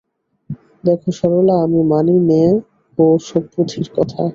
দেখো সরলা, আমি মানি নে ও-সব পুঁথির কথা।